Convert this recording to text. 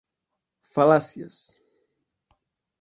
Fal·làcies: